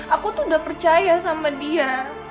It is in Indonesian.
aku tuh udah percaya sama dia